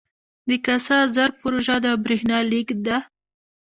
د کاسا زر پروژه د بریښنا لیږد ده